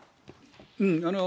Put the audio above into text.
うん。